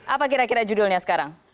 apa kira kira judulnya sekarang